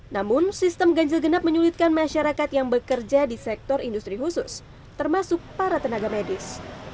namun sistem ganjil genap menyulitkan masyarakat yang bekerja di sektor industri khusus termasuk para tenaga medis